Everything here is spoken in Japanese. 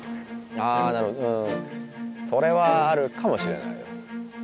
ああなるほどそれはあるかもしれないです。